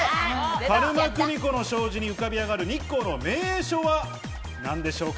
鹿沼組子の障子に浮かび上がる日光の名所は何でしょうか？